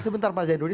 sebentar pak zaiduli